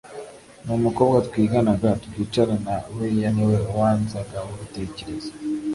numukobwa twiganaga twicarana buriya niwe wanzaga mubitekerezo